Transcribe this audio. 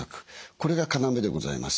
これが要でございます。